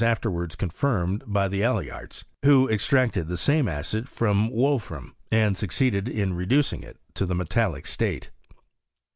afienrards confinned by die EDmyixts, vlio ex tracted the same acid from wolfram, and soooeeded in reduciosr it to the metallic state.